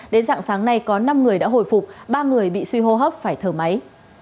đến dạng sáng nay có năm người đã hồi phục ba người bị suy hô hấp phải thở máy